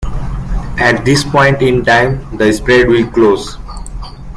At this point in time, the spread will close.